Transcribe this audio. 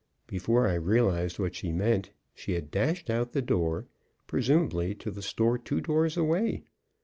Before I realized what she meant, she had dashed out the door, presumably to the store two doors away.